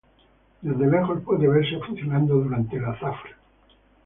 Desde lejos puede verse funcionando durante la zafra.